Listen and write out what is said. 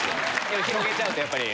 広げちゃうとやっぱり。